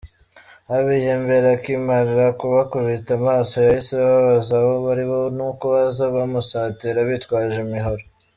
Habiyambere akimara kubakubita amaso yahise ababaza abo aribo nuko baza bamusatira bitwaje imihoro.